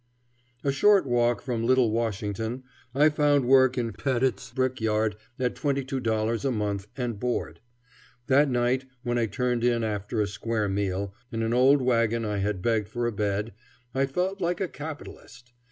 A short walk from Little Washington I found work in Peftit's brick yard at $22 a month and board. That night, when I turned in after a square meal, in an old wagon I had begged for a bed, I felt like a capitalist.